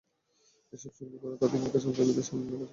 এসব সঙ্গী করেই তখন তাঁদের অপেক্ষা চলছিল দেশে আপনজনের কাছে ফেরার।